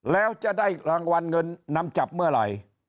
แล้วจะได้รางวัลเงินนำจับเมื่อไหร่